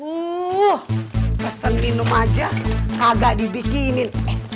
buhh pesen minum aja kagak dibikinin